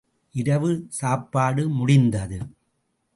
இரவு சாப்பாடு முடிந்தது.